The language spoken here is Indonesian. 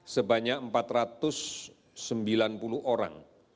sebanyak satu ratus tiga puluh dua enam puluh orang